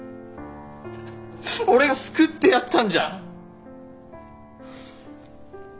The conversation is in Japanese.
俺が救ってやったんじゃん！